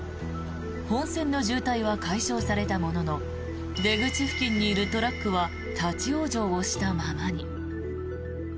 本線の渋滞は解消されたものの出口付近にいるトラックは立ち往生したままに。